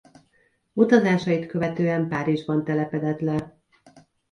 Utazásait követően Párizsban telepedett le.